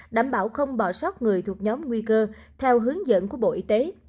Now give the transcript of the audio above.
đảm bảo không bỏ sót người thuộc nhóm nguy cơ theo hướng dẫn của bộ y tế